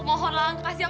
wow siapa yang masak